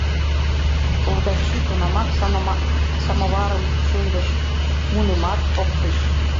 Овдачи тунамак самоварым шындыш, мунымат оптыш.